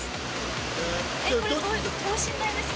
え、これ、等身大ですか？